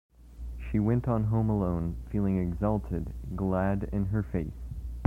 She went on home alone, feeling exalted, glad in her faith.